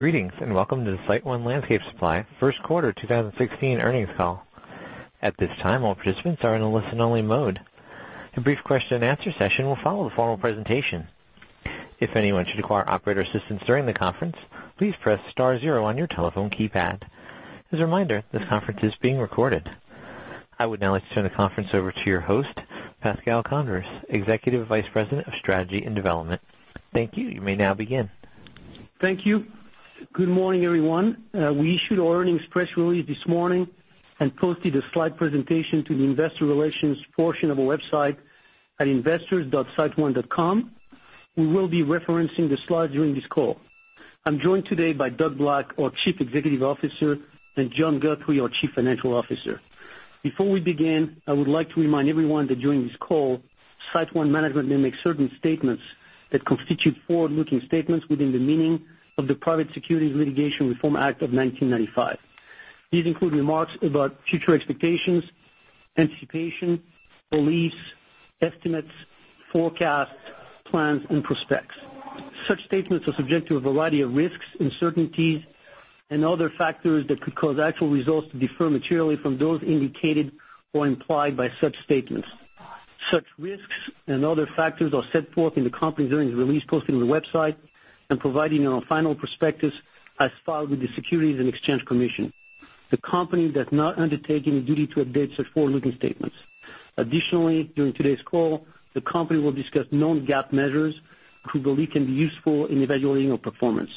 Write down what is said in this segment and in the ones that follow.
Greetings, welcome to the SiteOne Landscape Supply first quarter 2016 earnings call. At this time, all participants are in a listen-only mode. A brief question and answer session will follow the formal presentation. If anyone should require operator assistance during the conference, please press star zero on your telephone keypad. As a reminder, this conference is being recorded. I would now like to turn the conference over to your host, Pascal Convers, Executive Vice President of Strategy and Development. Thank you. You may now begin. Thank you. Good morning, everyone. We issued our earnings press release this morning and posted a slide presentation to the investor relations portion of our website at investors.siteone.com. We will be referencing the slides during this call. I'm joined today by Doug Black, our Chief Executive Officer, and John Guthrie, our Chief Financial Officer. Before we begin, I would like to remind everyone that during this call, SiteOne management may make certain statements that constitute forward-looking statements within the meaning of the Private Securities Litigation Reform Act of 1995. These include remarks about future expectations, anticipation, beliefs, estimates, forecasts, plans and prospects. Such statements are subject to a variety of risks, uncertainties, and other factors that could cause actual results to differ materially from those indicated or implied by such statements. Such risks and other factors are set forth in the company's earnings release posted on the website and provided in our final prospectus as filed with the Securities and Exchange Commission. The company does not undertake any duty to update such forward-looking statements. Additionally, during today's call, the company will discuss non-GAAP measures we believe can be useful in evaluating our performance.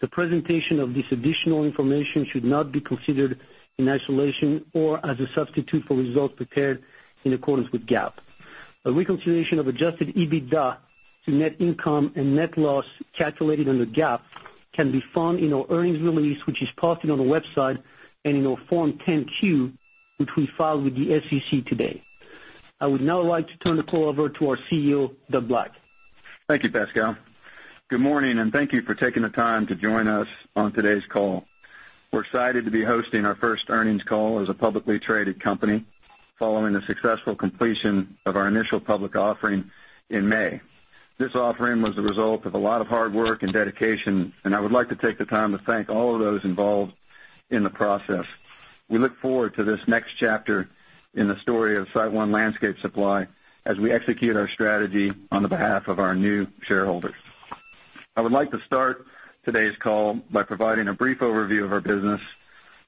The presentation of this additional information should not be considered in isolation or as a substitute for results prepared in accordance with GAAP. A reconciliation of adjusted EBITDA to net income and net loss calculated under GAAP can be found in our earnings release, which is posted on the website and in our Form 10-Q, which we filed with the SEC today. I would now like to turn the call over to our CEO, Doug Black. Thank you, Pascal. Good morning, thank you for taking the time to join us on today's call. We're excited to be hosting our first earnings call as a publicly traded company following the successful completion of our initial public offering in May. This offering was the result of a lot of hard work and dedication, I would like to take the time to thank all of those involved in the process. We look forward to this next chapter in the story of SiteOne Landscape Supply as we execute our strategy on the behalf of our new shareholders. I would like to start today's call by providing a brief overview of our business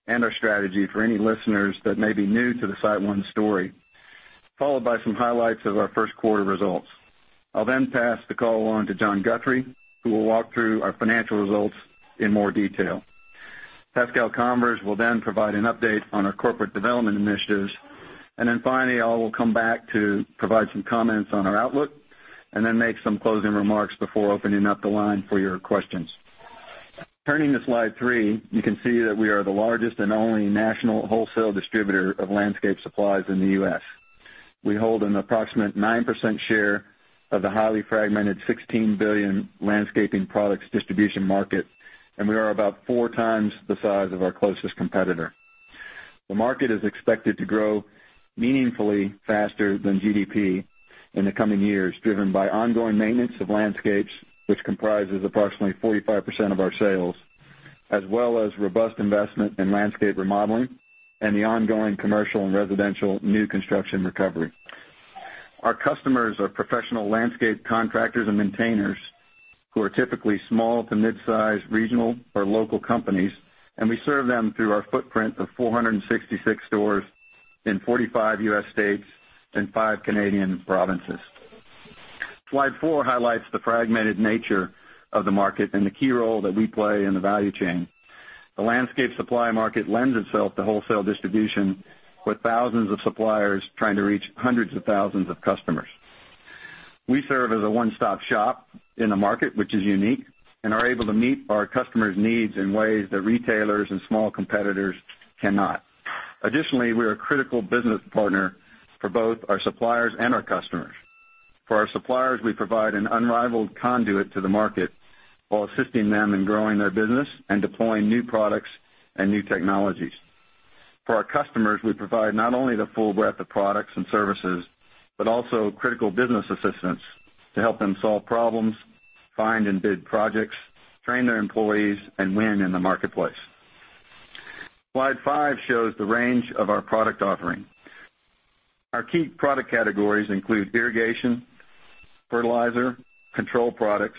and our strategy for any listeners that may be new to the SiteOne story, followed by some highlights of our first quarter results. I'll then pass the call on to John Guthrie, who will walk through our financial results in more detail. Pascal Convers will then provide an update on our corporate development initiatives. Finally, I will come back to provide some comments on our outlook and then make some closing remarks before opening up the line for your questions. Turning to slide three, you can see that we are the largest and only national wholesale distributor of landscape supplies in the U.S. We hold an approximate 9% share of the highly fragmented $16 billion landscaping products distribution market, and we are about four times the size of our closest competitor. The market is expected to grow meaningfully faster than GDP in the coming years, driven by ongoing maintenance of landscapes, which comprises approximately 45% of our sales, as well as robust investment in landscape remodeling and the ongoing commercial and residential new construction recovery. Our customers are professional landscape contractors and maintainers who are typically small to midsize regional or local companies, and we serve them through our footprint of 466 stores in 45 U.S. states and five Canadian provinces. Slide four highlights the fragmented nature of the market and the key role that we play in the value chain. The landscape supply market lends itself to wholesale distribution, with thousands of suppliers trying to reach hundreds of thousands of customers. We serve as a one-stop shop in the market, which is unique, and are able to meet our customers' needs in ways that retailers and small competitors cannot. Additionally, we're a critical business partner for both our suppliers and our customers. For our suppliers, we provide an unrivaled conduit to the market while assisting them in growing their business and deploying new products and new technologies. For our customers, we provide not only the full breadth of products and services, but also critical business assistance to help them solve problems, find and bid projects, train their employees, and win in the marketplace. Slide five shows the range of our product offering. Our key product categories include irrigation, fertilizer, control products,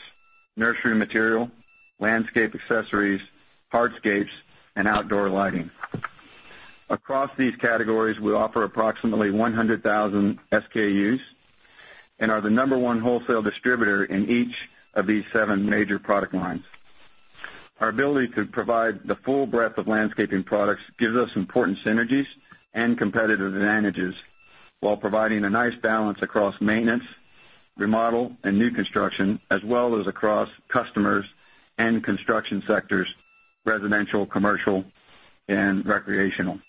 nursery material, landscape accessories, hardscapes, and outdoor lighting. Across these categories, we offer approximately 100,000 SKUs and are the number one wholesale distributor in each of these seven major product lines. Our ability to provide the full breadth of landscaping products gives us important synergies and competitive advantages while providing a nice balance across maintenance, remodel, and new construction, as well as across customers and construction sectors, residential, commercial, and recreational.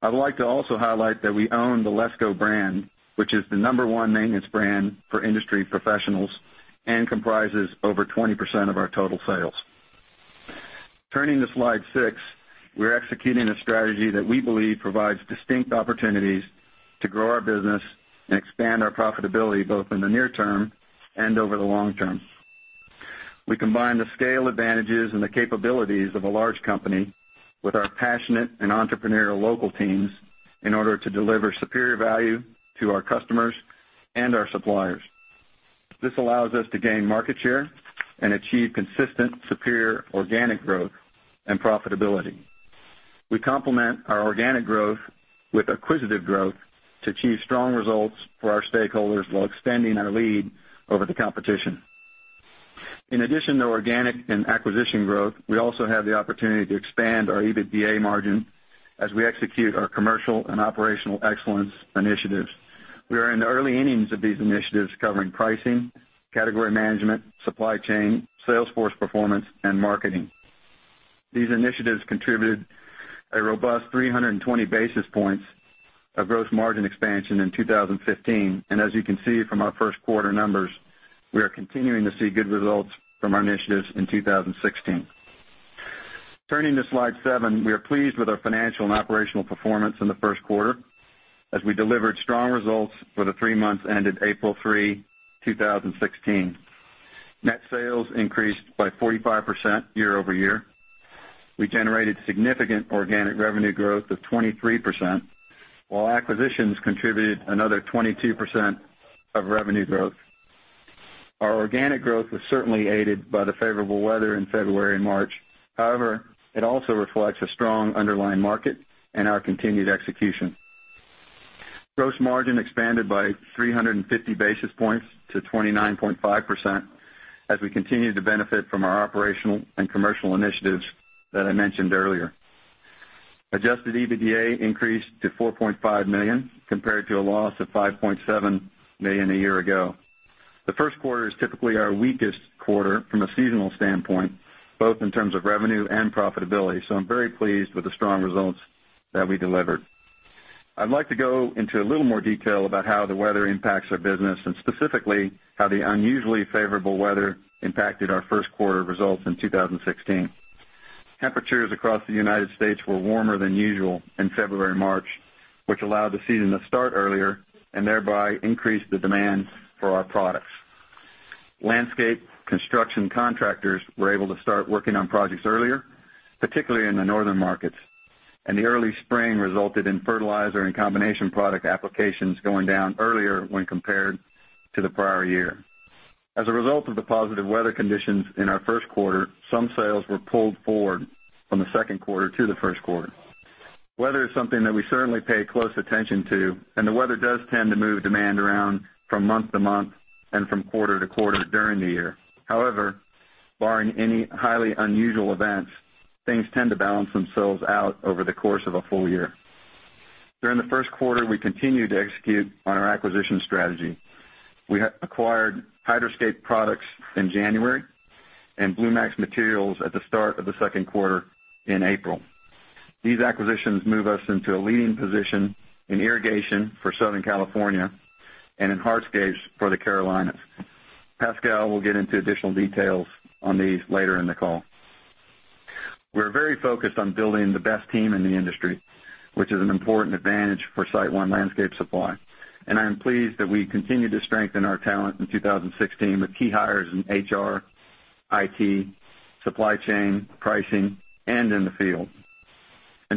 I'd like to also highlight that we own the LESCO brand, which is the number one maintenance brand for industry professionals and comprises over 20% of our total sales. Turning to slide six, we're executing a strategy that we believe provides distinct opportunities to grow our business and expand our profitability, both in the near term and over the long term. We combine the scale advantages and the capabilities of a large company with our passionate and entrepreneurial local teams in order to deliver superior value to our customers and our suppliers. This allows us to gain market share and achieve consistent, superior organic growth and profitability. We complement our organic growth with acquisitive growth to achieve strong results for our stakeholders while extending our lead over the competition. In addition to organic and acquisition growth, we also have the opportunity to expand our EBITDA margin as we execute our commercial and operational excellence initiatives. We are in the early innings of these initiatives covering pricing, category management, supply chain, sales force performance, and marketing. These initiatives contributed a robust 320 basis points of gross margin expansion in 2015. As you can see from our first quarter numbers, we are continuing to see good results from our initiatives in 2016. Turning to slide seven, we are pleased with our financial and operational performance in the first quarter as we delivered strong results for the three months ended April three, 2016. Net sales increased by 45% year-over-year. We generated significant organic revenue growth of 23%, while acquisitions contributed another 22% of revenue growth. Our organic growth was certainly aided by the favorable weather in February and March. However, it also reflects a strong underlying market and our continued execution. Gross margin expanded by 350 basis points to 29.5% as we continue to benefit from our operational and commercial initiatives that I mentioned earlier. Adjusted EBITDA increased to $4.5 million compared to a loss of $5.7 million a year ago. The first quarter is typically our weakest quarter from a seasonal standpoint, both in terms of revenue and profitability. I'm very pleased with the strong results that we delivered. I'd like to go into a little more detail about how the weather impacts our business and specifically how the unusually favorable weather impacted our first quarter results in 2016. Temperatures across the United States were warmer than usual in February and March, which allowed the season to start earlier and thereby increase the demand for our products. Landscape construction contractors were able to start working on projects earlier, particularly in the northern markets. The early spring resulted in fertilizer and combination product applications going down earlier when compared to the prior year. As a result of the positive weather conditions in our first quarter, some sales were pulled forward from the second quarter to the first quarter. Weather is something that we certainly pay close attention to. The weather does tend to move demand around from month to month and from quarter to quarter during the year. However, barring any highly unusual events, things tend to balance themselves out over the course of a full year. During the first quarter, we continued to execute on our acquisition strategy. We acquired Hydro-Scape Products in January and Blue Max Materials at the start of the second quarter in April. These acquisitions move us into a leading position in irrigation for Southern California and in hardscapes for the Carolinas. Pascal will get into additional details on these later in the call. We're very focused on building the best team in the industry, which is an important advantage for SiteOne Landscape Supply. I am pleased that we continued to strengthen our talent in 2016 with key hires in HR, IT, supply chain, pricing, and in the field.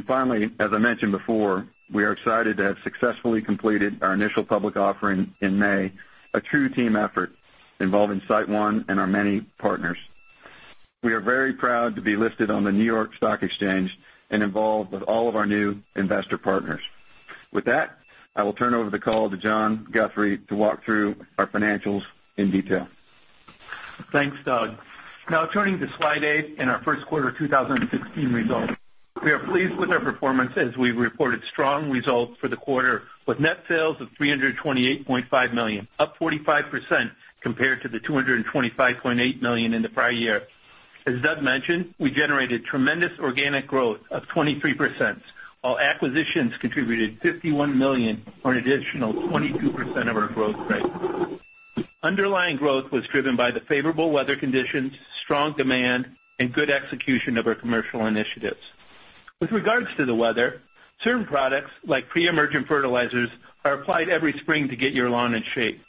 Finally, as I mentioned before, we are excited to have successfully completed our initial public offering in May, a true team effort involving SiteOne and our many partners. We are very proud to be listed on the New York Stock Exchange and involved with all of our new investor partners. With that, I will turn over the call to John Guthrie to walk through our financials in detail. Thanks, Doug. Turning to slide eight and our first quarter 2016 results. We are pleased with our performance as we reported strong results for the quarter with net sales of $328.5 million, up 45% compared to the $225.8 million in the prior year. As Doug mentioned, we generated tremendous organic growth of 23%, while acquisitions contributed $51 million on additional 22% of our growth rate. Underlying growth was driven by the favorable weather conditions, strong demand, and good execution of our commercial initiatives. With regards to the weather, certain products, like pre-emergent fertilizers, are applied every spring to get your lawn in shape.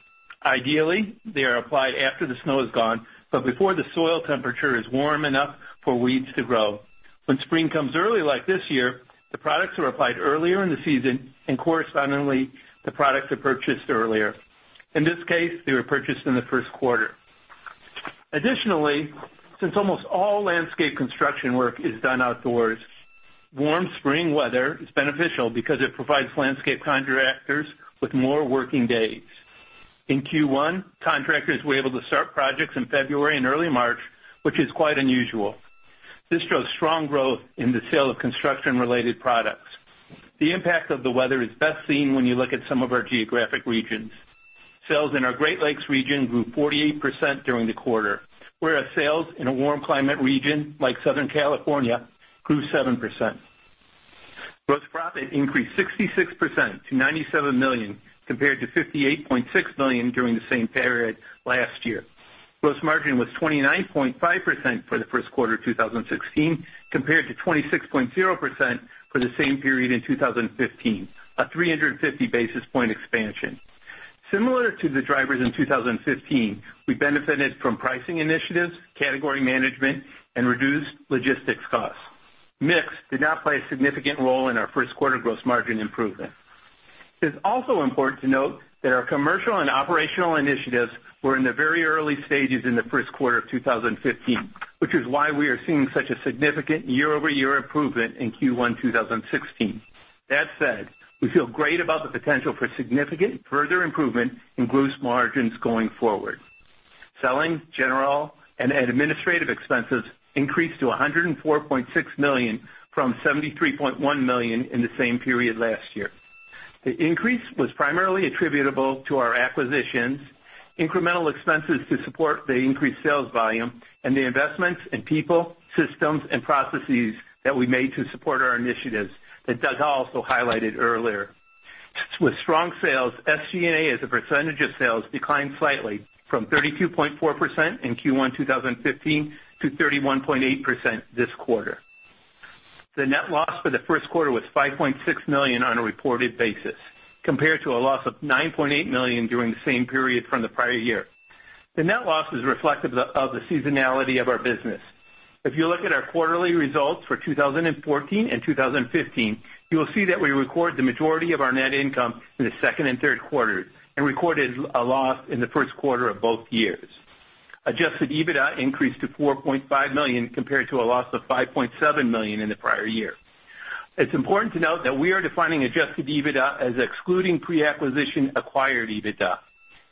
Ideally, they are applied after the snow is gone but before the soil temperature is warm enough for weeds to grow. When spring comes early, like this year, the products are applied earlier in the season, and correspondingly, the products are purchased earlier. In this case, they were purchased in the first quarter. Since almost all landscape construction work is done outdoors, warm spring weather is beneficial because it provides landscape contractors with more working days. In Q1, contractors were able to start projects in February and early March, which is quite unusual. This drove strong growth in the sale of construction-related products. The impact of the weather is best seen when you look at some of our geographic regions. Sales in our Great Lakes region grew 48% during the quarter, whereas sales in a warm climate region like Southern California grew 7%. Gross profit increased 66% to $97 million compared to $58.6 million during the same period last year. Gross margin was 29.5% for the first quarter 2016 compared to 26.0% for the same period in 2015, a 350 basis point expansion. Similar to the drivers in 2015, we benefited from pricing initiatives, category management, and reduced logistics costs. Mix did not play a significant role in our first quarter gross margin improvement. It's also important to note that our commercial and operational initiatives were in the very early stages in the first quarter of 2015, which is why we are seeing such a significant year-over-year improvement in Q1 2016. We feel great about the potential for significant further improvement in gross margins going forward. Selling, General, and Administrative expenses increased to $104.6 million from $73.1 million in the same period last year. The increase was primarily attributable to our acquisitions, incremental expenses to support the increased sales volume, and the investments in people, systems, and processes that we made to support our initiatives that Doug also highlighted earlier. With strong sales, SG&A as a percentage of sales declined slightly from 32.4% in Q1 2015 to 31.8% this quarter. The net loss for the first quarter was $5.6 million on a reported basis, compared to a loss of $9.8 million during the same period from the prior year. The net loss is reflective of the seasonality of our business. If you look at our quarterly results for 2014 and 2015, you will see that we record the majority of our net income in the second and third quarters and recorded a loss in the first quarter of both years. Adjusted EBITDA increased to $4.5 million, compared to a loss of $5.7 million in the prior year. It is important to note that we are defining adjusted EBITDA as excluding pre-acquisition acquired EBITDA.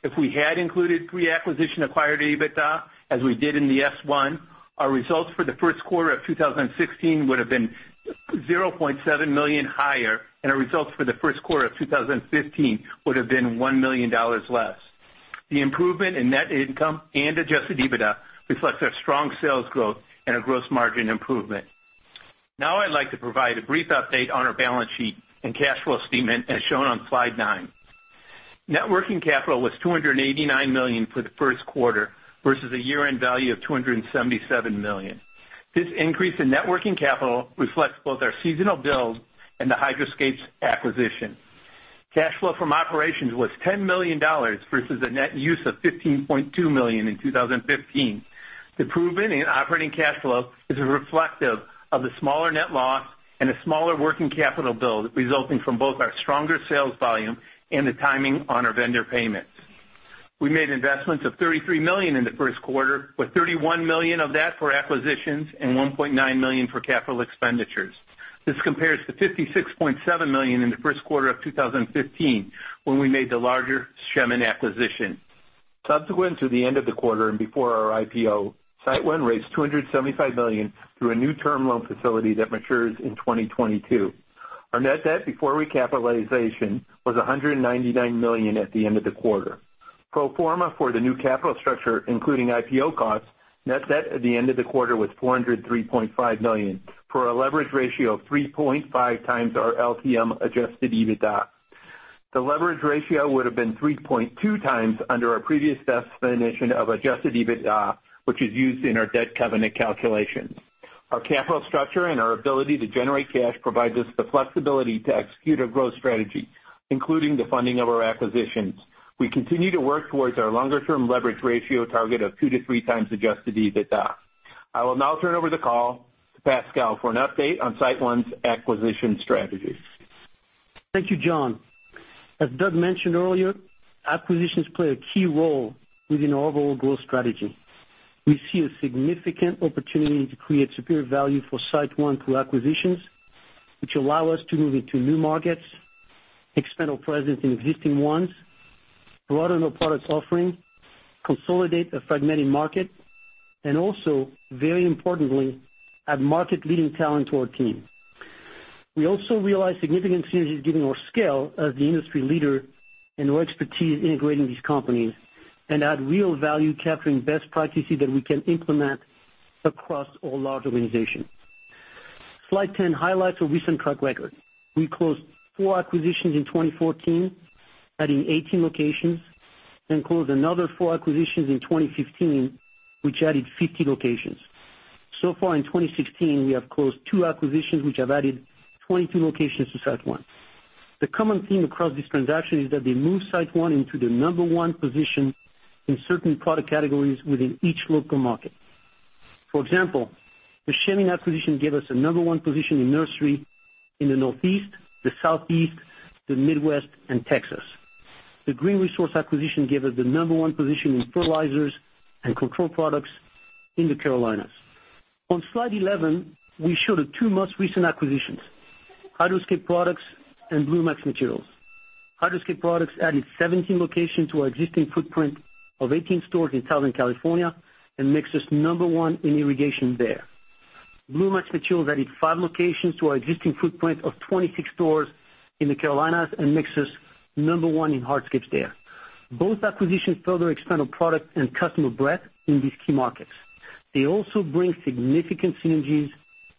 If we had included pre-acquisition acquired EBITDA, as we did in the S-1, our results for the first quarter of 2016 would have been $0.7 million higher, and our results for the first quarter of 2015 would have been $1 million less. The improvement in net income and adjusted EBITDA reflects our strong sales growth and our gross margin improvement. Now I'd like to provide a brief update on our balance sheet and cash flow statement, as shown on slide nine. Net working capital was $289 million for the first quarter versus a year-end value of $277 million. This increase in net working capital reflects both our seasonal build and the Hydro-Scape acquisition. Cash flow from operations was $10 million versus a net use of $15.2 million in 2015. Improvement in operating cash flow is reflective of the smaller net loss and a smaller working capital build resulting from both our stronger sales volume and the timing on our vendor payments. We made investments of $33 million in the first quarter, with $31 million of that for acquisitions and $1.9 million for capital expenditures. This compares to $56.7 million in the first quarter of 2015, when we made the larger Shemin acquisition. Subsequent to the end of the quarter and before our IPO, SiteOne raised $275 million through a new term loan facility that matures in 2022. Our net debt before recapitalization was $199 million at the end of the quarter. Pro forma for the new capital structure, including IPO costs, net debt at the end of the quarter was $403.5 million, for a leverage ratio of 3.5 times our LTM adjusted EBITDA. The leverage ratio would have been 3.2 times under our previous definition of adjusted EBITDA, which is used in our debt covenant calculation. Our capital structure and our ability to generate cash provides us the flexibility to execute our growth strategy, including the funding of our acquisitions. We continue to work towards our longer-term leverage ratio target of 2-3 times adjusted EBITDA. I will now turn over the call to Pascal for an update on SiteOne's acquisition strategies. Thank you, John. As Doug mentioned earlier, acquisitions play a key role within our overall growth strategy. We see a significant opportunity to create superior value for SiteOne through acquisitions, which allow us to move into new markets, expand our presence in existing ones, broaden our products offering, consolidate a fragmented market, also, very importantly, add market-leading talent to our team. We also realize significant synergies given our scale as the industry leader and our expertise integrating these companies add real value capturing best practices that we can implement across our large organization. Slide 10 highlights our recent track record. We closed 4 acquisitions in 2014, adding 18 locations, closed another 4 acquisitions in 2015, which added 50 locations. So far in 2016, we have closed 2 acquisitions which have added 22 locations to SiteOne. The common theme across this transaction is that they move SiteOne into the number one position in certain product categories within each local market. For example, the Shemin acquisition gave us a number one position in nursery in the Northeast, the Southeast, the Midwest, and Texas. The Green Resource acquisition gave us the number one position in fertilizers and control products in the Carolinas. On Slide 11, we show the 2 most recent acquisitions, Hydro-Scape Products and Blue Max Materials. Hydro-Scape Products added 17 locations to our existing footprint of 18 stores in Southern California and makes us number one in irrigation there. Blue Max Materials added five locations to our existing footprint of 26 stores in the Carolinas and makes us number one in hardscapes there. Both acquisitions further expand our product and customer breadth in these key markets. They also bring significant synergies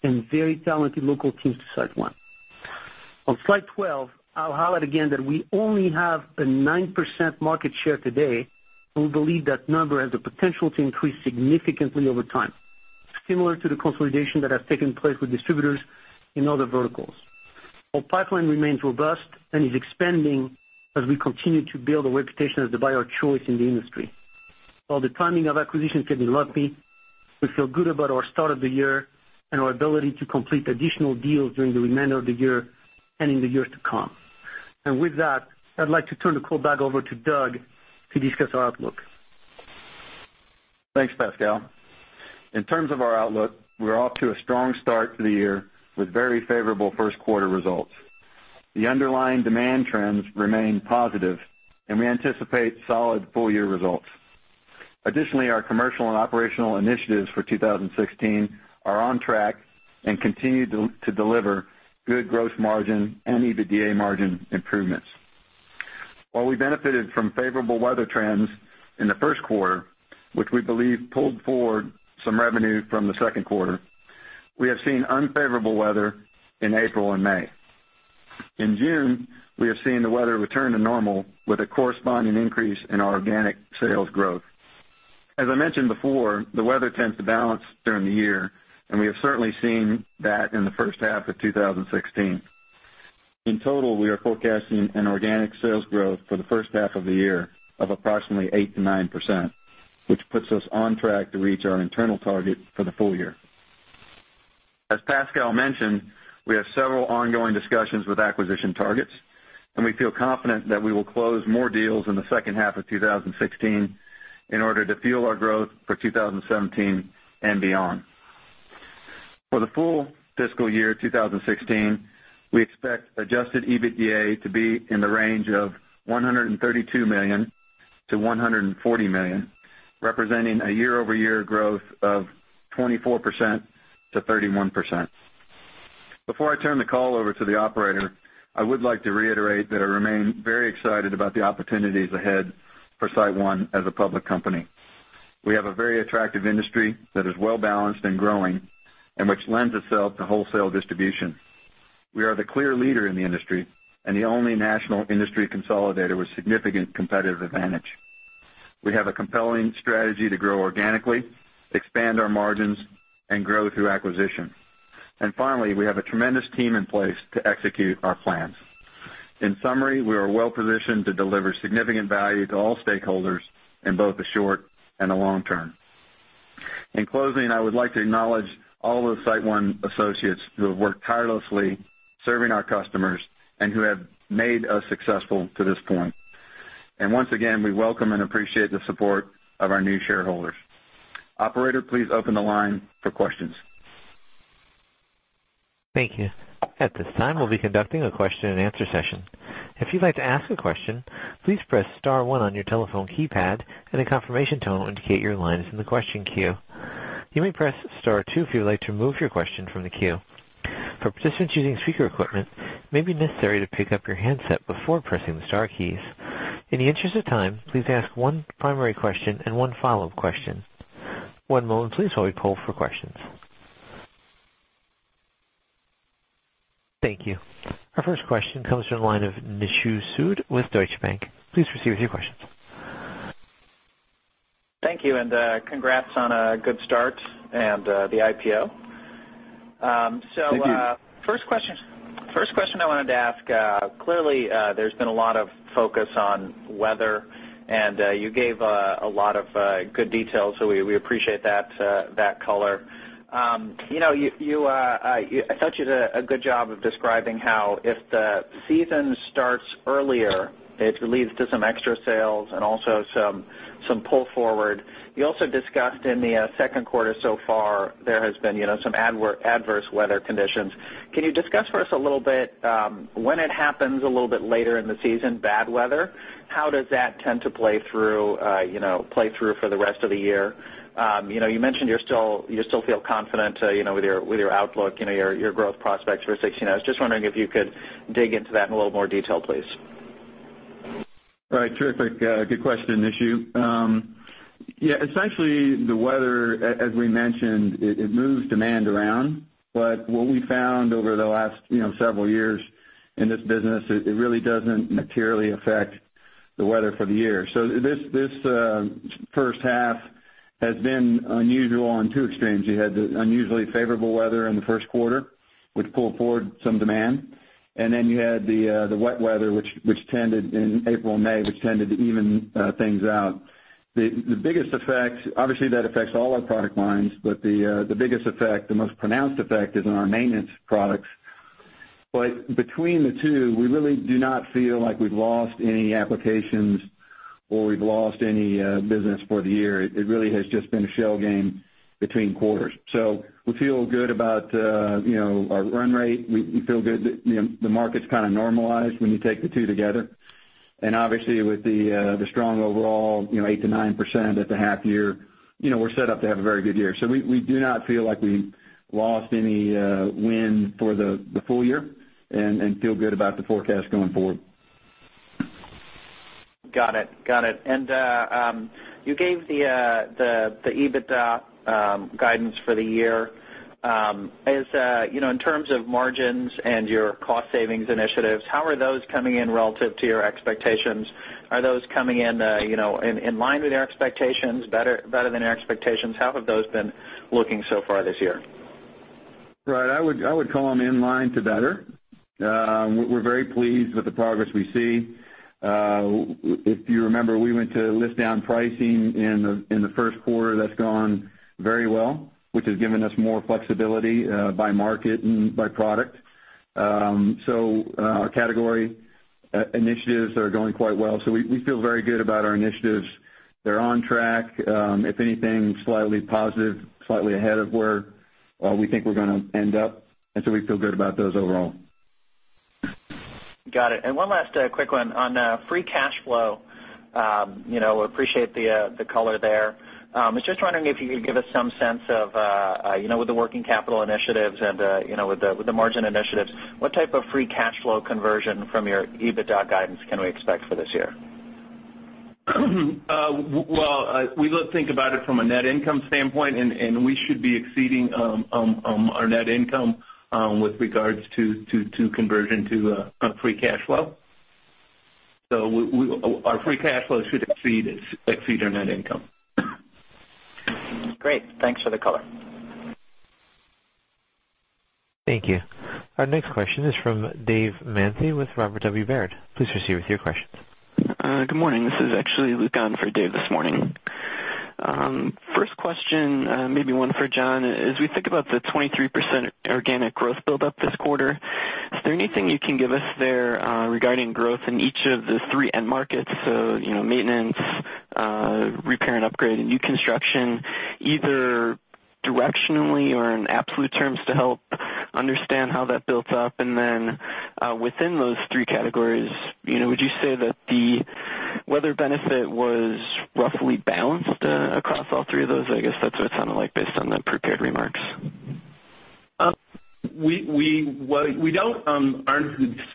and very talented local teams to SiteOne. On Slide 12, I'll highlight again that we only have a 9% market share today, and we believe that number has the potential to increase significantly over time, similar to the consolidation that has taken place with distributors in other verticals. Our pipeline remains robust and is expanding as we continue to build a reputation as the buyer of choice in the industry. While the timing of acquisitions can be lumpy, we feel good about our start of the year and our ability to complete additional deals during the remainder of the year and in the years to come. With that, I'd like to turn the call back over to Doug to discuss our outlook. Thanks, Pascal. In terms of our outlook, we're off to a strong start to the year with very favorable first quarter results. The underlying demand trends remain positive, and we anticipate solid full year results. Additionally, our commercial and operational initiatives for 2016 are on track and continue to deliver good gross margin and EBITDA margin improvements. While we benefited from favorable weather trends in the first quarter, which we believe pulled forward some revenue from the second quarter, we have seen unfavorable weather in April and May. In June, we have seen the weather return to normal with a corresponding increase in our organic sales growth. As I mentioned before, the weather tends to balance during the year, and we have certainly seen that in the first half of 2016. In total, we are forecasting an organic sales growth for the first half of the year of approximately 8%-9%, which puts us on track to reach our internal target for the full year. As Pascal mentioned, we have several ongoing discussions with acquisition targets, and we feel confident that we will close more deals in the second half of 2016 in order to fuel our growth for 2017 and beyond. For the full fiscal year 2016, we expect adjusted EBITDA to be in the range of $132 million-$140 million, representing a year-over-year growth of 24%-31%. Before I turn the call over to the operator, I would like to reiterate that I remain very excited about the opportunities ahead for SiteOne as a public company. We have a very attractive industry that is well-balanced and growing, and which lends itself to wholesale distribution. We are the clear leader in the industry and the only national industry consolidator with significant competitive advantage. We have a compelling strategy to grow organically, expand our margins, and grow through acquisition. Finally, we have a tremendous team in place to execute our plans. In summary, we are well-positioned to deliver significant value to all stakeholders in both the short and the long term. In closing, I would like to acknowledge all of the SiteOne associates who have worked tirelessly serving our customers and who have made us successful to this point. Once again, we welcome and appreciate the support of our new shareholders. Operator, please open the line for questions. Thank you. At this time, we'll be conducting a question and answer session. If you'd like to ask a question, please press star 1 on your telephone keypad, and a confirmation tone will indicate your line is in the question queue. You may press star 2 if you would like to remove your question from the queue. For participants using speaker equipment, it may be necessary to pick up your handset before pressing the star keys. In the interest of time, please ask one primary question and one follow-up question. One moment, please, while we poll for questions. Thank you. Our first question comes from the line of Nishu Sood with Deutsche Bank. Please proceed with your questions. Thank you. Congrats on a good start and the IPO. Thank you. First question I wanted to ask, clearly, there's been a lot of focus on weather, and you gave a lot of good details, so we appreciate that color. I thought you did a good job of describing how if the season starts earlier, it leads to some extra sales and also some pull forward. You also discussed in the second quarter so far, there has been some adverse weather conditions. Can you discuss for us a little bit when it happens a little bit later in the season, bad weather, how does that tend to play through for the rest of the year? You mentioned you still feel confident with your outlook, your growth prospects for 2016. I was just wondering if you could dig into that in a little more detail, please. Right. Terrific. Good question, Nishu. Essentially, the weather, as we mentioned, it moves demand around. What we found over the last several years in this business, it really doesn't materially affect the weather for the year. This first half has been unusual on two extremes. You had the unusually favorable weather in the first quarter, which pulled forward some demand, then you had the wet weather in April and May, which tended to even things out. Obviously, that affects all our product lines, but the biggest effect, the most pronounced effect is in our maintenance products. Between the two, we really do not feel like we've lost any applications or we've lost any business for the year. It really has just been a shell game between quarters. We feel good about our run rate. We feel good that the market's kind of normalized when you take the two together. Obviously, with the strong overall 8%-9% at the half year, we're set up to have a very good year. We do not feel like we lost any win for the full year and feel good about the forecast going forward. Got it. You gave the EBITDA guidance for the year. In terms of margins and your cost savings initiatives, how are those coming in relative to your expectations? Are those coming in line with your expectations? Better than your expectations? How have those been looking so far this year? Right. I would call them in line to better. We're very pleased with the progress we see. If you remember, we went to list down pricing in the first quarter, that's gone very well, which has given us more flexibility by market and by product. Our category initiatives are going quite well. We feel very good about our initiatives. They're on track. If anything, slightly positive, slightly ahead of where we think we're gonna end up. We feel good about those overall. Got it. One last quick one on free cash flow. Appreciate the color there. Was just wondering if you could give us some sense of, with the working capital initiatives and with the margin initiatives, what type of free cash flow conversion from your EBITDA guidance can we expect for this year? We think about it from a net income standpoint, we should be exceeding our net income, with regards to conversion to free cash flow. Our free cash flow should exceed our net income. Great. Thanks for the color. Thank you. Our next question is from Dave Manthey with Robert W. Baird. Please proceed with your questions. Good morning. This is actually Luke on for Dave this morning. First question, maybe one for John. As we think about the 23% organic growth buildup this quarter, is there anything you can give us there regarding growth in each of the three end markets? maintenance, repair and upgrade, and new construction, either directionally or in absolute terms to help understand how that builds up. Then, within those 3 categories, would you say that the weather benefit was roughly balanced across all three of those? I guess that's what it sounded like based on the prepared remarks. We aren't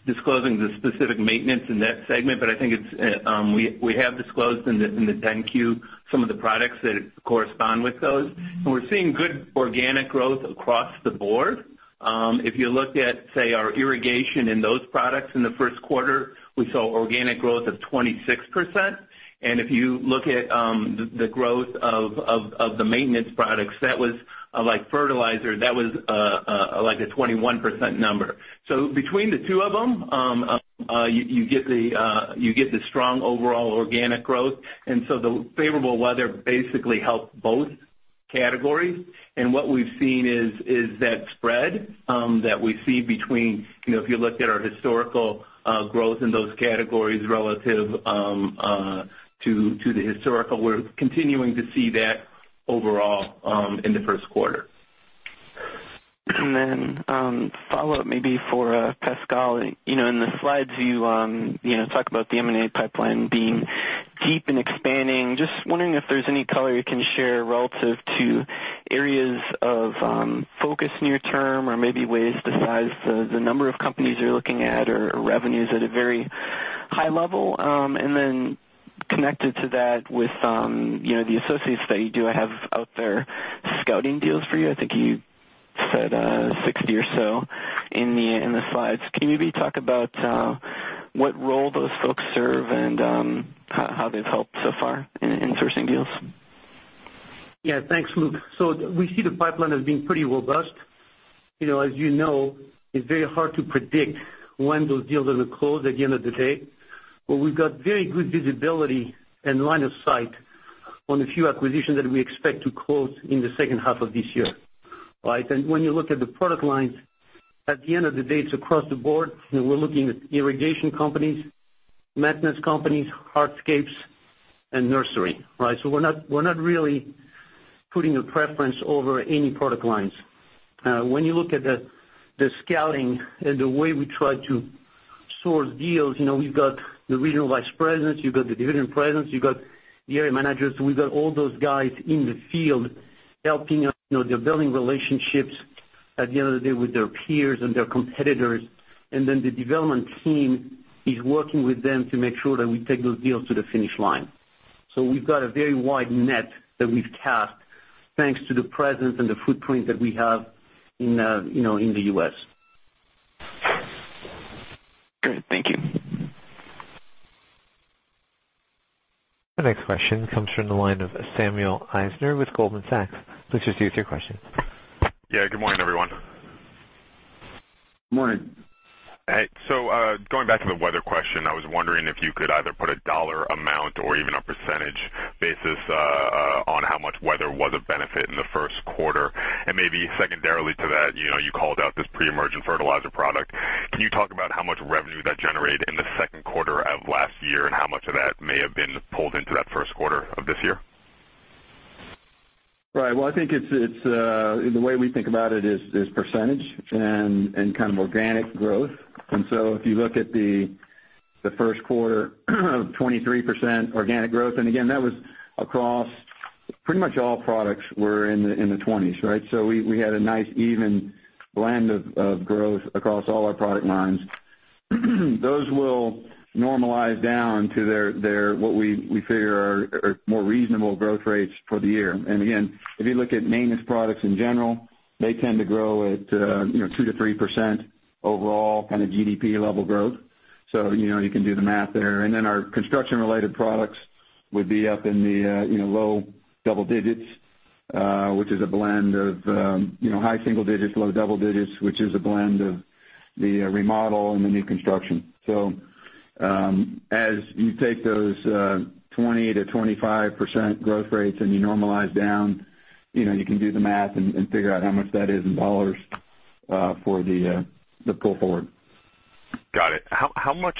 disclosing the specific maintenance in that segment, but I think we have disclosed in the 10-Q some of the products that correspond with those. We're seeing good organic growth across the board. If you look at, say, our irrigation and those products in the first quarter, we saw organic growth of 26%. If you look at the growth of the maintenance products, like fertilizer, that was like a 21% number. Between the two of them, you get the strong overall organic growth. So the favorable weather basically helped both categories. What we've seen is that spread, that we see between if you look at our historical growth in those categories relative to the historical, we're continuing to see that overall in the first quarter. follow-up maybe for Pascal. In the slides, you talk about the M&A pipeline being deep and expanding. Just wondering if there's any color you can share relative to areas of focus near term or maybe ways to size the number of companies you're looking at or revenues at a very high level. Connected to that with the associates that you do have out there scouting deals for you, I think you said 60 or so in the slides. Can you maybe talk about what role those folks serve and how they've helped so far in sourcing deals? Yeah. Thanks, Luke. We see the pipeline as being pretty robust. As you know, it's very hard to predict when those deals are gonna close at the end of the day, but we've got very good visibility and line of sight on a few acquisitions that we expect to close in the second half of this year. Right? When you look at the product lines, at the end of the day, it's across the board. We're looking at irrigation companies, maintenance companies, hardscapes, and nursery. Right? We're not really putting a preference over any product lines. When you look at the scouting and the way we try to source deals, we've got the regional vice presidents, you've got the division presidents, you've got the area managers. We've got all those guys in the field helping us. They're building relationships, at the end of the day, with their peers and their competitors. The development team is working with them to make sure that we take those deals to the finish line. We've got a very wide net that we've cast thanks to the presence and the footprint that we have in the U.S. Great. Thank you. The next question comes from the line of Samuel Eisner with Goldman Sachs. Please proceed with your question. Yeah. Good morning, everyone. Morning. Hey. Going back to the weather question, I was wondering if you could either put a dollar amount or even a % basis on how much weather was a benefit in the first quarter. Maybe secondarily to that, you called out this pre-emergent fertilizer product. Can you talk about how much revenue that generated in the second quarter of last year, and how much of that may have been pulled into that first quarter of this year? Right. Well, I think the way we think about it is % and kind of organic growth. If you look at the first quarter of 23% organic growth, again, that was across Pretty much all products were in the 20s. We had a nice even blend of growth across all our product lines. Those will normalize down to what we figure are more reasonable growth rates for the year. Again, if you look at maintenance products in general, they tend to grow at 2%-3% overall kind of GDP level growth. You can do the math there. Then our construction-related products would be up in the low double digits, which is a blend of high single digits, low double digits, which is a blend of the remodel and the new construction. As you take those 20%-25% growth rates and you normalize down, you can do the math and figure out how much that is in $ for the pull forward. Got it. How much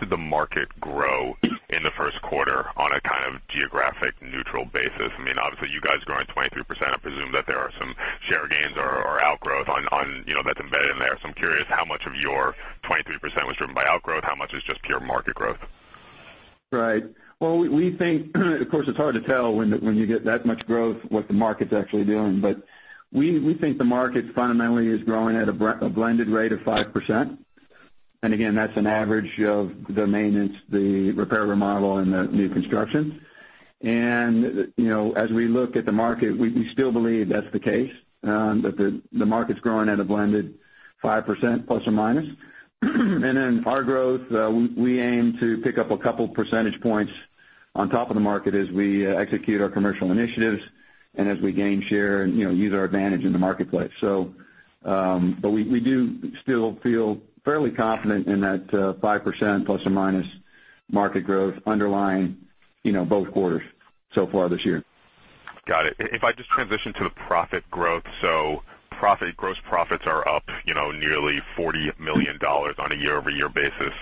did the market grow in the first quarter on a kind of geographic neutral basis? Obviously, you guys growing 23%, I presume that there are some share gains or outgrowth that's embedded in there. I'm curious how much of your 23% was driven by outgrowth, how much was just pure market growth? Right. Well, we think, of course, it's hard to tell when you get that much growth, what the market's actually doing. We think the market fundamentally is growing at a blended rate of 5%. Again, that's an average of the maintenance, the repair, remodel, and the new construction. As we look at the market, we still believe that's the case, that the market's growing at a blended 5% ±. Then our growth, we aim to pick up a couple percentage points on top of the market as we execute our commercial initiatives and as we gain share and use our advantage in the marketplace. We do still feel fairly confident in that 5% ± market growth underlying both quarters so far this year. Got it. If I just transition to the profit growth. Gross profits are up nearly $40 million on a year-over-year basis.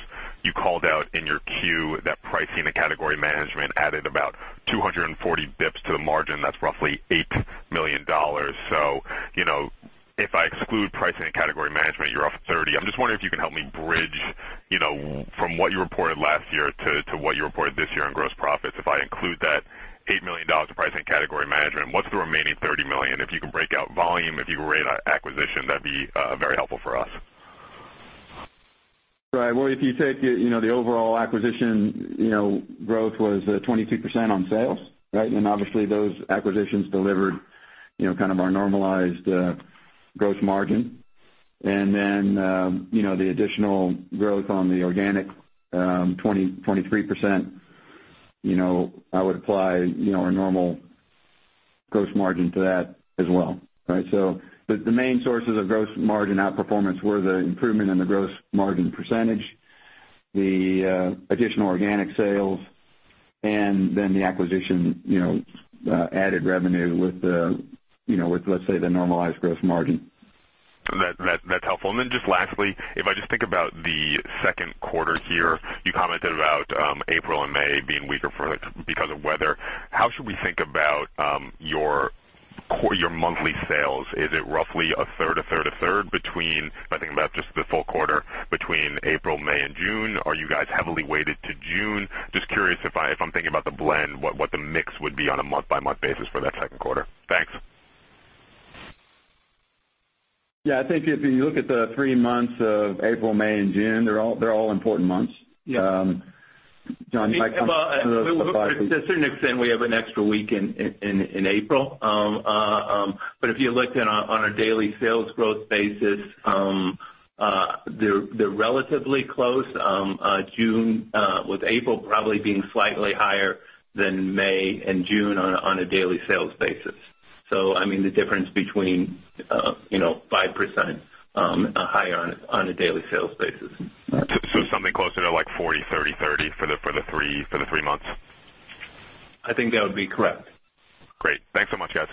You called out in your Q that pricing and category management added about 240 basis points to the margin. That's roughly $8 million. If I exclude pricing and category management, you're off $30 million. I'm just wondering if you can help me bridge from what you reported last year to what you reported this year on gross profits. If I include that $8 million to pricing category management, what's the remaining $30 million? If you can break out volume, if you can rate acquisition, that'd be very helpful for us. Right. Well, if you take the overall acquisition, growth was 22% on sales. Obviously those acquisitions delivered our normalized gross margin. The additional growth on the organic 23%, I would apply our normal gross margin to that as well. The main sources of gross margin outperformance were the improvement in the gross margin percentage, the additional organic sales, and then the acquisition added revenue with, let's say, the normalized gross margin. That's helpful. Just lastly, if I just think about the second quarter here, you commented about April and May being weaker because of weather. How should we think about your monthly sales? Is it roughly a third, a third, a third between, if I think about just the full quarter, between April, May, and June? Are you guys heavily weighted to June? Just curious if I'm thinking about the blend, what the mix would be on a month-by-month basis for that second quarter. Thanks. Yeah, I think if you look at the three months of April, May, and June, they're all important months. Yeah. John, do you like to? To a certain extent, we have an extra week in April. If you looked on a daily sales growth basis, they're relatively close. June, with April probably being slightly higher than May and June on a daily sales basis. I mean, the difference between 5% higher on a daily sales basis. Something closer to like 40/30/30 for the three months? I think that would be correct. Great. Thanks so much, guys.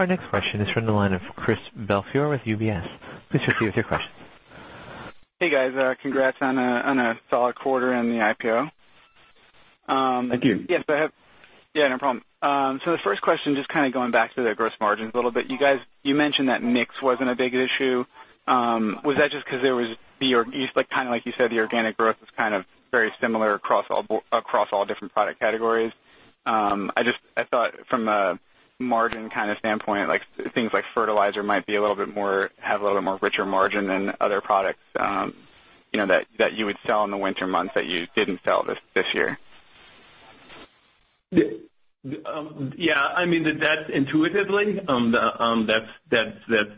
Our next question is from the line of Christopher Belfiore with UBS. Please proceed with your question. Hey, guys. Congrats on a solid quarter in the IPO. Thank you. Yes, go ahead. Yeah, no problem. The first question, just kind of going back to the gross margins a little bit. You mentioned that mix wasn't a big issue. Was that just because there was, like you said, the organic growth was kind of very similar across all different product categories? I thought from a margin kind of standpoint, things like fertilizer might have a little bit more richer margin than other products that you would sell in the winter months that you didn't sell this year. Yeah. That intuitively,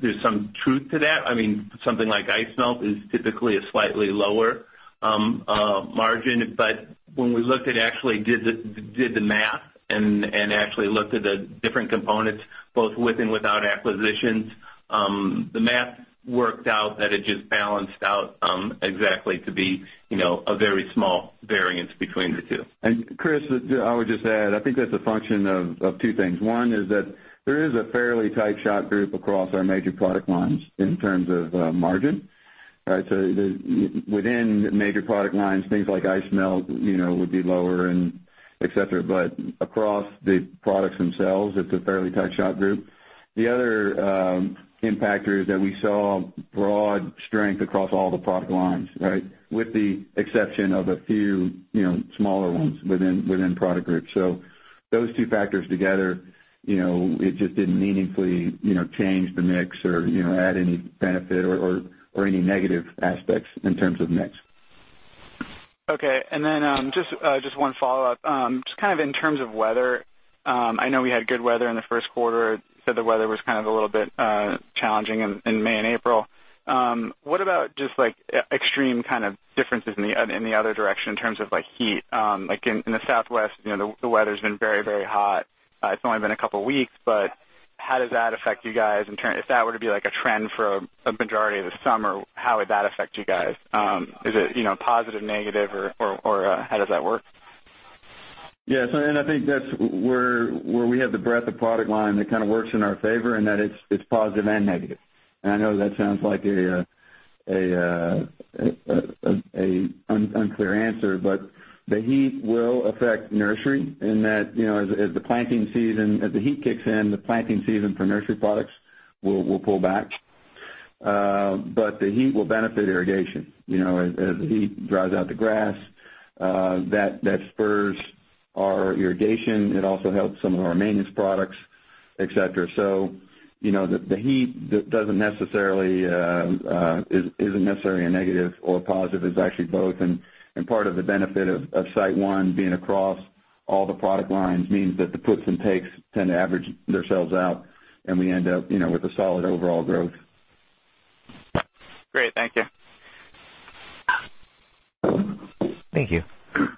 there's some truth to that. Something like ice melt is typically a slightly lower margin. When we looked at actually did the math and actually looked at the different components both with and without acquisitions, the math worked out that it just balanced out exactly to be a very small variance between the two. Chris, I would just add, I think that's a function of two things. One is that there is a fairly tight shot group across our major product lines in terms of margin. Within major product lines, things like ice melt would be lower and et cetera. Across the products themselves, it's a fairly tight, shot group. The other impactor is that we saw broad strength across all the product lines, right? With the exception of a few smaller ones within product groups. Those two factors together, it just didn't meaningfully change the mix or add any benefit or any negative aspects in terms of mix. Okay. Just one follow-up. Just in terms of weather, I know we had good weather in the first quarter, said the weather was a little bit challenging in May and April. What about just extreme kind of differences in the other direction in terms of heat? Like in the Southwest, the weather's been very, very hot. It's only been a couple of weeks, but how does that affect you guys in turn? If that were to be like a trend for a majority of the summer, how would that affect you guys? Is it positive, negative, or how does that work? Yes. I think that's where we have the breadth of product line that kind of works in our favor and that it's positive and negative. I know that sounds like an unclear answer, but the heat will affect nursery in that as the heat kicks in, the planting season for nursery products will pull back. The heat will benefit irrigation. As the heat dries out the grass, that spurs our irrigation. It also helps some of our maintenance products, et cetera. The heat isn't necessarily a negative or a positive, it's actually both. Part of the benefit of SiteOne being across all the product lines means that the puts and takes tend to average theirselves out and we end up with a solid overall growth. Great. Thank you. Thank you.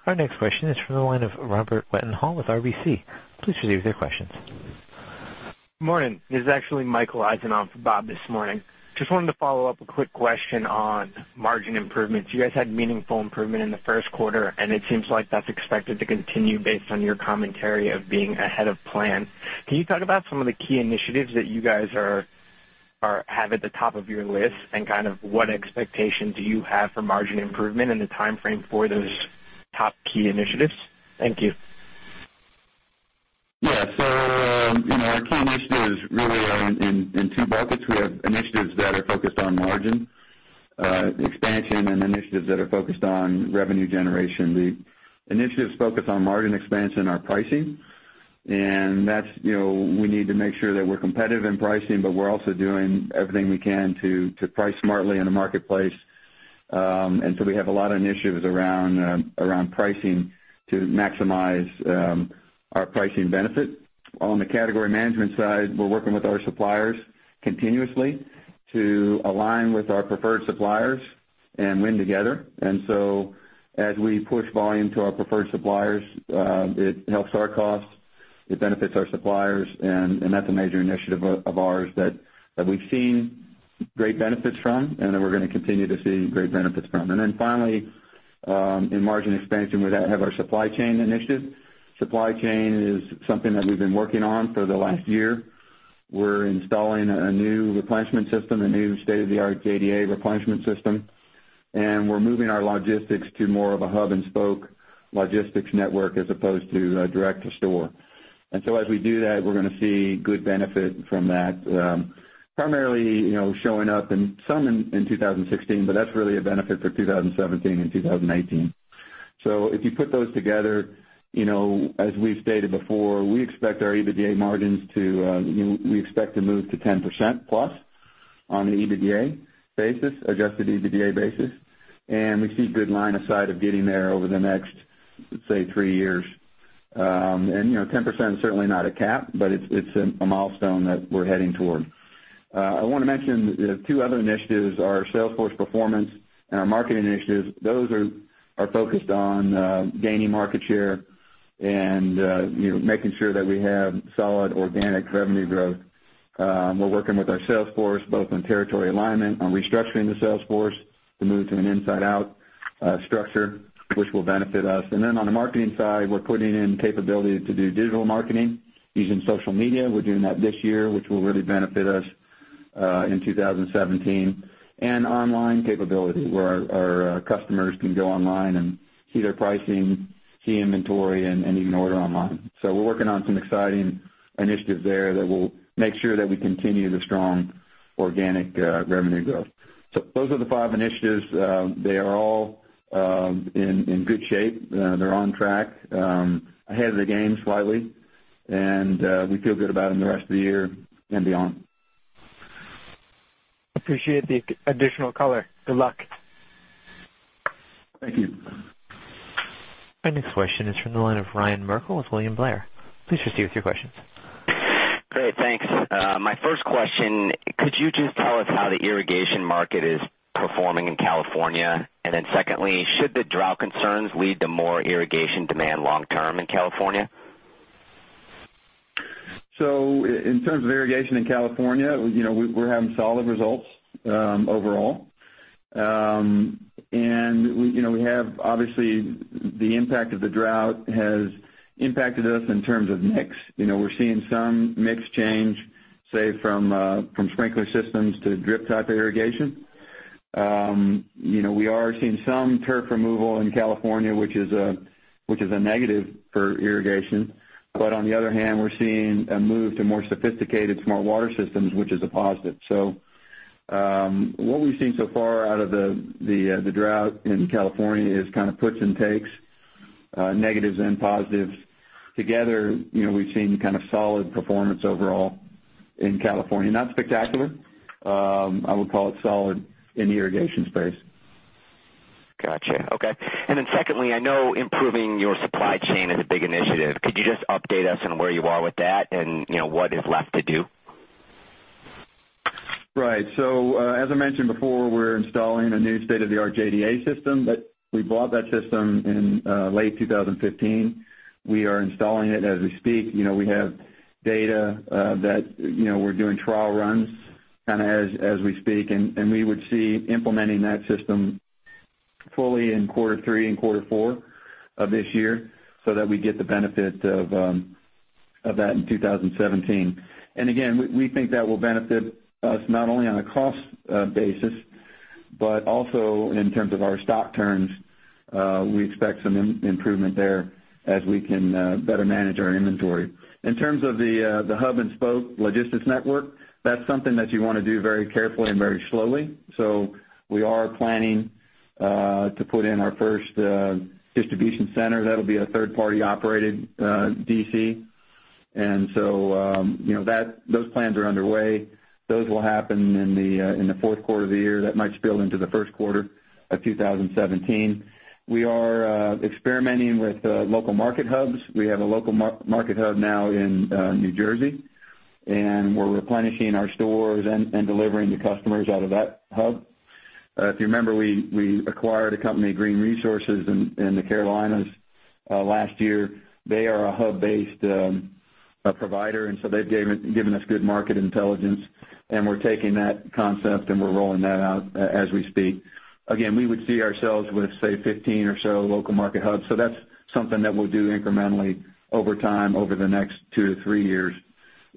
Our next question is from the line of Robert Wetenhall with RBC. Please proceed with your questions. Morning. This is actually Michael Eisen on for Bob this morning. I just wanted to follow up a quick question on margin improvements. You guys had meaningful improvement in the first quarter, and it seems like that's expected to continue based on your commentary of being ahead of plan. Can you talk about some of the key initiatives that you guys have at the top of your list, what expectation do you have for margin improvement and the timeframe for those top key initiatives? Thank you. Yeah. Our key initiatives really are in two buckets. We have initiatives that are focused on margin expansion and initiatives that are focused on revenue generation. The initiatives focused on margin expansion are pricing, and we need to make sure that we're competitive in pricing, we're also doing everything we can to price smartly in the marketplace. We have a lot of initiatives around pricing to maximize our pricing benefit. On the category management side, we're working with our suppliers continuously to align with our preferred suppliers and win together. As we push volume to our preferred suppliers, it helps our costs, it benefits our suppliers, that's a major initiative of ours that we've seen great benefits from and that we're gonna continue to see great benefits from. Finally, in margin expansion, we have our supply chain initiative. Supply chain is something that we've been working on for the last year. We're installing a new replenishment system, a new state-of-the-art JDA replenishment system. We're moving our logistics to more of a hub-and-spoke logistics network as opposed to direct to store. As we do that, we're gonna see good benefit from that. Primarily, showing up in some in 2016, but that's really a benefit for 2017 and 2018. If you put those together, as we've stated before, we expect to move to 10%+ on an EBITDA basis, adjusted EBITDA basis, and we see good line of sight of getting there over the next, let's say, three years. 10% is certainly not a cap, but it's a milestone that we're heading toward. I wanna mention the two other initiatives, our sales force performance and our marketing initiatives. Those are focused on gaining market share and making sure that we have solid organic revenue growth. We're working with our sales force, both on territory alignment, on restructuring the sales force to move to an inside out structure, which will benefit us. On the marketing side, we're putting in capability to do digital marketing using social media. We're doing that this year, which will really benefit us in 2017. Online capability where our customers can go online and see their pricing, see inventory, and even order online. We're working on some exciting initiatives there that will make sure that we continue the strong organic revenue growth. Those are the five initiatives. They are all in good shape. They're on track, ahead of the game slightly, and we feel good about them the rest of the year and beyond. Appreciate the additional color. Good luck. Thank you. Our next question is from the line of Ryan Merkel with William Blair. Please proceed with your questions. Great, thanks. My first question, could you just tell us how the irrigation market is performing in California? Secondly, should the drought concerns lead to more irrigation demand long term in California? In terms of irrigation in California, we're having solid results overall. Obviously, the impact of the drought has impacted us in terms of mix. We're seeing some mix change, say, from sprinkler systems to drip type irrigation. We are seeing some turf removal in California, which is a negative for irrigation. On the other hand, we're seeing a move to more sophisticated, smart water systems, which is a positive. What we've seen so far out of the drought in California is kind of puts and takes, negatives and positives. Together, we've seen solid performance overall in California. Not spectacular. I would call it solid in the irrigation space. Got you. Okay. Secondly, I know improving your supply chain is a big initiative. Could you just update us on where you are with that and what is left to do? Right. As I mentioned before, we're installing a new state-of-the-art JDA system. We bought that system in late 2015. We are installing it as we speak. We have data that we're doing trial runs as we speak, and we would see implementing that system fully in quarter three and quarter four of this year so that we get the benefit of that in 2017. We think that will benefit us not only on a cost basis, but also in terms of our stock turns. We expect some improvement there as we can better manage our inventory. In terms of the hub-and-spoke logistics network, that's something that you want to do very carefully and very slowly. We are planning to put in our first distribution center that will be a third-party operated DC. Those plans are underway. Those will happen in the fourth quarter of the year. That might spill into the first quarter of 2017. We are experimenting with local market hubs. We have a local market hub now in New Jersey, and we're replenishing our stores and delivering to customers out of that hub. If you remember, we acquired a company, Green Resource, in the Carolinas last year. They are a hub-based provider. They've given us good market intelligence, and we're taking that concept and we're rolling that out as we speak. Again, we would see ourselves with, say, 15 or so local market hubs. That's something that we'll do incrementally over time, over the next two to three years,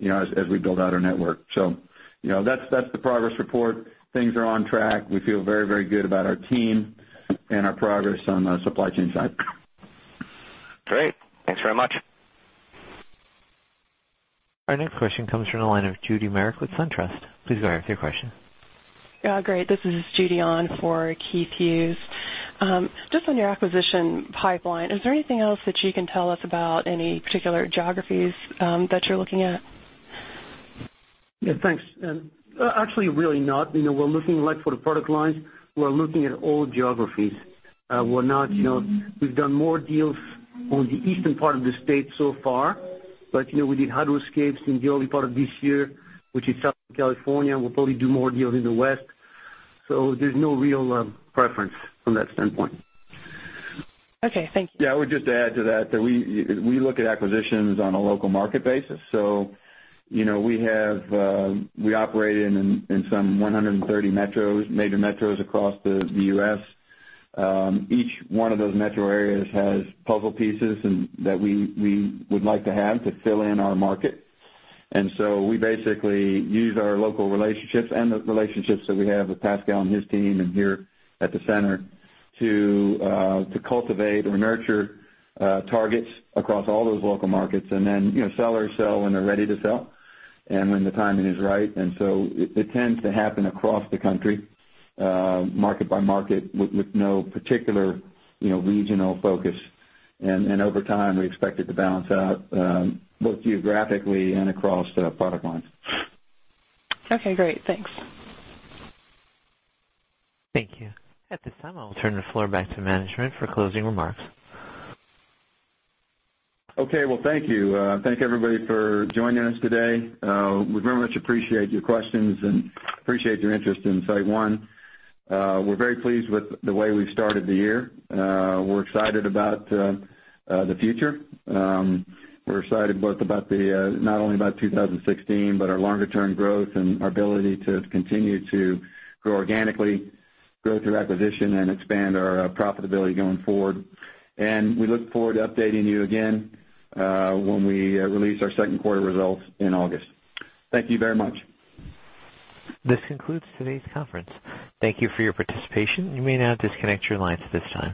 as we build out our network. That's the progress report. Things are on track. We feel very good about our team and our progress on the supply chain side. Great. Thanks very much. Our next question comes from the line of Judy Merrick with SunTrust. Please go ahead with your question. Yeah, great. This is Judy on for Keith Hughes. Just on your acquisition pipeline, is there anything else that you can tell us about any particular geographies that you're looking at? Yeah, thanks. Actually, really not. We're looking for the product lines. We're looking at all geographies. We've done more deals on the eastern part of the state so far, but we did Hydro-Scape in the early part of this year, which is Southern California. We'll probably do more deals in the West. There's no real preference from that standpoint. Okay, thank you. Yeah, I would just add to that we look at acquisitions on a local market basis. We operate in some 130 major metros across the U.S. Each one of those metro areas has puzzle pieces that we would like to have to fill in our market. We basically use our local relationships and the relationships that we have with Pascal and his team and here at the center to cultivate or nurture targets across all those local markets. Sellers sell when they're ready to sell and when the timing is right. It tends to happen across the country, market by market, with no particular regional focus. Over time, we expect it to balance out both geographically and across product lines. Okay, great. Thanks. Thank you. At this time, I'll turn the floor back to management for closing remarks. Okay. Well, thank you. Thank you, everybody, for joining us today. We very much appreciate your questions and appreciate your interest in SiteOne. We're very pleased with the way we've started the year. We're excited about the future. We're excited not only about 2016, but our longer-term growth and our ability to continue to grow organically, grow through acquisition, and expand our profitability going forward. We look forward to updating you again when we release our second quarter results in August. Thank you very much. This concludes today's conference. Thank you for your participation. You may now disconnect your lines at this time.